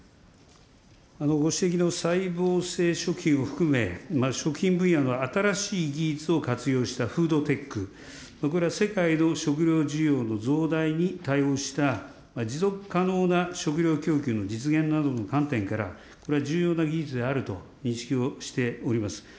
ご指摘の細胞性食品を含め、食品分野の新しい技術を活用したフードテック、これは世界の食料需要の増大に対応した、持続可能な食料供給の実現などの観点から、これは重要な技術であると認識をしております。